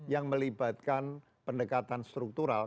yang melibatkan pendekatan struktural